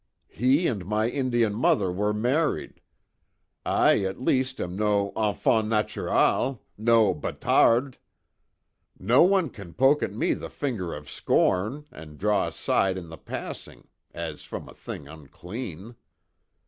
He and my Indian mother were married. I at least am no enfant natural no batarde! No one can poke at me the finger of scorn, and draw aside in the passing, as from a thing unclean!"